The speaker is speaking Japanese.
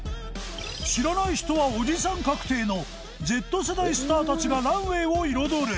知らない人はおじさん確定の Ｚ 世代スターたちがランウェイを彩る